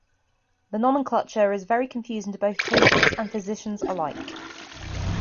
The nomenclature is very confusing to both patients and physicians alike.